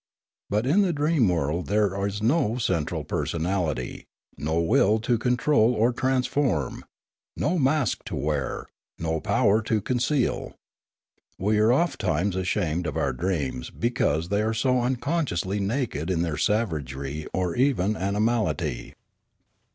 But in the dream world there is no central personality, no will to control or trans form, no mask to wear, no power to conceal. We are ofttimes ashamed of our dreams because they are so un consciously naked in their savagery or even animality.